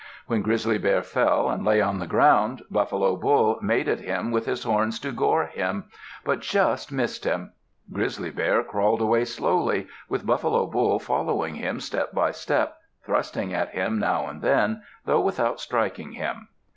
When Grizzly Bear fell and lay on the ground, Buffalo Bull made at him with his horns to gore him, but just missed him. Grizzly Bear crawled away slowly, with Buffalo Bull following him step by step, thrusting at him now and then, though without striking him.